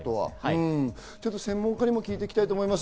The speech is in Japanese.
専門家にも聞いていきたいと思います。